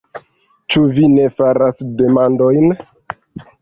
Ĉu vi ne faras demandojn?